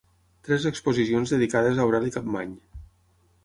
Tres exposicions dedicades a Aureli Capmany.